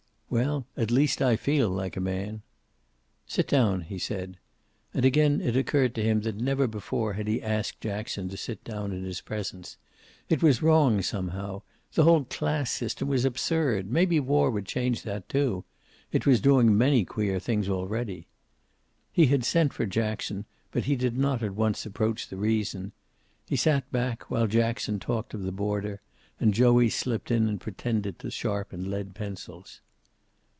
"Well, at least I feel like a man." "Sit down," he said. And again it occurred to him that never before had he asked Jackson to sit down in his presence. It was wrong, somehow. The whole class system was absurd. Maybe war would change that, too. It was doing many queer things, already. He had sent for Jackson, but he did not at once approach the reason. He sat back, while Jackson talked of the border and Joey slipped in and pretended to sharpen lead pencils.